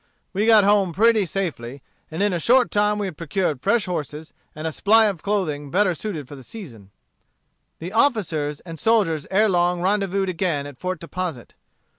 We got home pretty safely, and in a short time we had procured fresh horses, and a supply of clothing better suited for the season." The officers and soldiers ere long rendezvoused again at Fort Deposit.